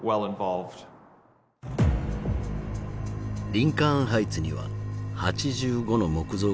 リンカーン・ハイツには８５の木造家屋が立ち並び